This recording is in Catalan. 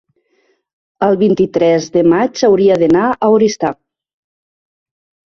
el vint-i-tres de maig hauria d'anar a Oristà.